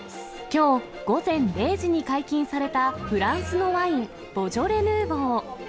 きょう午前０時に解禁されたフランスのワイン、ボジョレ・ヌーボー。